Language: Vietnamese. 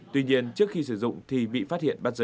tuy nhiên trước khi sử dụng thì bị phát hiện bắt giữ